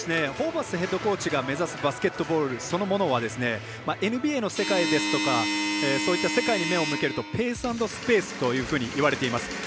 ホーバスヘッドコーチが目指すバスケットボールそのものはＮＢＡの世界ですとかそういった世界に目を向けるとペース＆スペースというふうにいわれています。